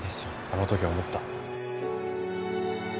あの時思った。